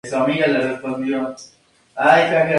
La semilla de color pardo oscuro y de forma ovoide.